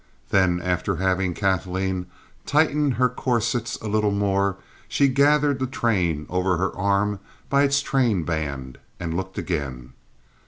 Then after having Kathleen tighten her corsets a little more, she gathered the train over her arm by its train band and looked again.